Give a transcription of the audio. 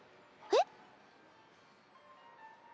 えっ？